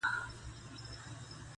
یو مي زړه نه دی چي تا باندي فِدا دی,